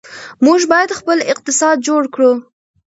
موږ باید خپل اقتصاد جوړ کړو.